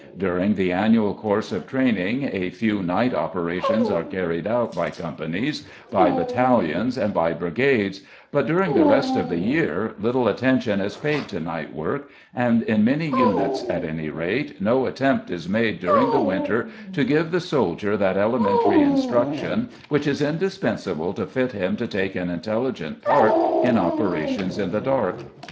During the annual course of training a few night operations are carried out by companies, by battalions, and by brigades, but during the rest of the year little attention is paid to night work, and, in many units, at any rate, no attempt is made during the winter to give the soldier that elementary instruction which is indispensable to fit him to take an intelligent part in operations in the dark.